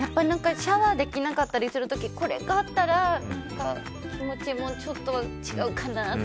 シャワーできなかったりする時これがあったら気持ちもちょっとは違うかなと。